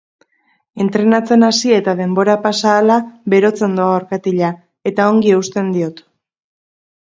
Entrenatzen hasi eta denbora pasa ahala berotzen doa orkatila eta ongi eusten diot.